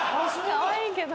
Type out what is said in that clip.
かわいいけど。